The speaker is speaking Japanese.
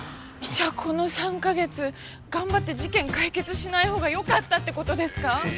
じゃあこの３カ月頑張って事件解決しないほうがよかったって事ですか？